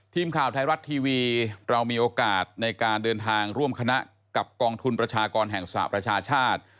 ทีมข่าวไทยรัฐทีวีเรามีโอกาสในการเดินทางร่วมคณะกับกองทุนประชากรแห่งสหประชาชาติ